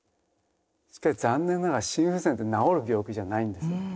しかし残念ながら心不全って治る病気じゃないんです。